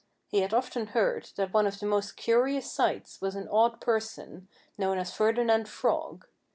He had often heard that one of the most curious sights was an odd person known as Ferdinand Frog.